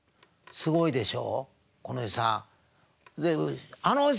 すごいでしょ？